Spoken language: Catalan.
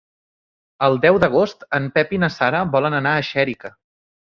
El deu d'agost en Pep i na Sara volen anar a Xèrica.